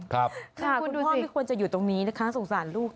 คุณพ่อไม่ควรจะอยู่ตรงนี้นะคะสงสารลูก